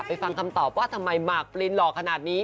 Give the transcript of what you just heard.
ฟังคำตอบว่าทำไมหมากปรินหล่อขนาดนี้